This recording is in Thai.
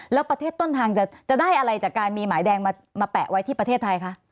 แล้วประเทศต้นทางจะได้อะไรจากการมีหมายแดงมาแปะไว้ที่ประเทศไทยคะ